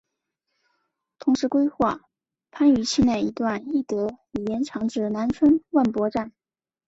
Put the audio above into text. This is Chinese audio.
同时规划番禺区内一段亦得以延长至南村万博站。